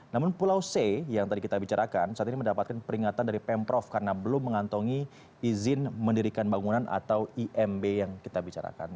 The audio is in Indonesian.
namun pulau c yang tadi kita bicarakan saat ini mendapatkan peringatan dari pemprov karena belum mengantongi izin mendirikan bangunan atau imb yang kita bicarakan